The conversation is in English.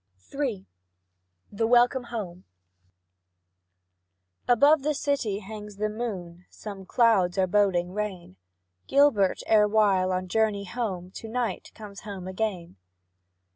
III. THE WELCOME HOME. Above the city hangs the moon, Some clouds are boding rain; Gilbert, erewhile on journey gone, To night comes home again.